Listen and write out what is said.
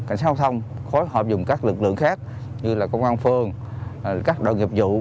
cảnh sát giao thông phối hợp dùng các lực lượng khác như là công an phường các đội nghiệp vụ